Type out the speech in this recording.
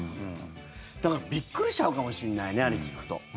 だから、びっくりしちゃうかもしれないね、あれを聞くと。